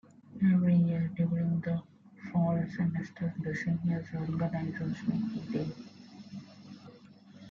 Every year during the fall semester, the seniors organize a "Sneak Day".